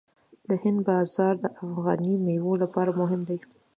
د هند بازار د افغاني میوو لپاره مهم دی.